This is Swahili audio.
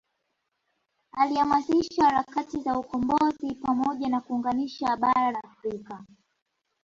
Alihamasisha harakati za ukombozi pamoja na kuunganisha bara la Afrika